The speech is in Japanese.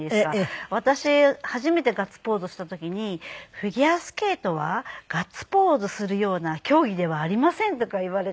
私初めてガッツポーズした時に「フィギュアスケートはガッツポーズするような競技ではありません」とか言われて。